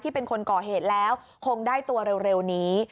เป็นคนก่อเหตุแล้วคงได้ตัวเร็วนี้